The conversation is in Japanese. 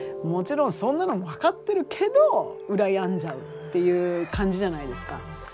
もちろんそんなの分かってるけどうらやんじゃうっていう感じじゃないですか。